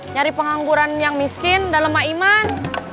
nyari pengangguran yang miskin dalam maiman